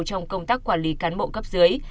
trong công tác quản lý cán bộ cấp dưới